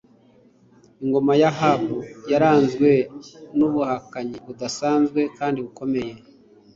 ingoma ya Ahabu yaranzwe nubuhakanyi budasanzwe kandi bukomeye